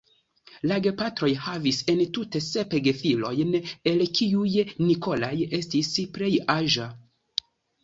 La gepatroj havis entute sep gefilojn, el kiuj "Nikolaj" estis plej aĝa.